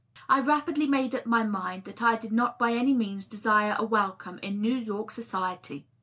I rapidly made up my mind that I did not by any means desire a wel come into New York society.